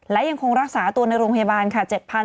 และยังคงรักษาตัวในโรงพยาบาลค่ะ